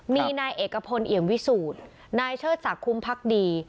มีนายเอกพลเอี่ยมวิสูจน์นายเชิดศักดิ์คุ้มพักดี